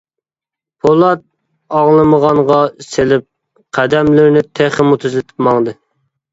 پولات ئاڭلىمىغانغا سېلىپ قەدەملىرىنى تېخىمۇ تىزلىتىپ ماڭدى.